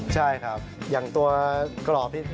ใช่ครับอย่างตัวกล่อพิช